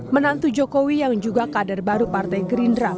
menantu jokowi yang juga kader baru partai gerindra